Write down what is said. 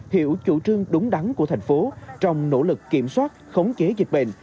hiểu chủ trương đúng đắn của thành phố trong nỗ lực kiểm soát khống chế dịch bệnh